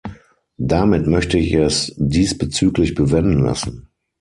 Damit möchte ich es diesbezüglich bewenden lassen.